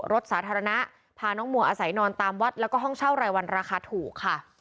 รถสาธารณะพาน้องมัวอาศัยนอนตามวัดแล้วก็ห้องเช่ารายวันราคาถูกค่ะ